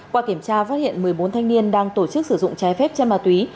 qua kiểm tra phát hiện một mươi bốn thanh niên đang tổ chức sử dụng trái phép chân ma túy